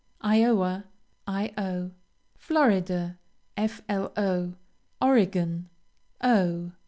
Iowa, Io. Florida, Flo. Oregon, O.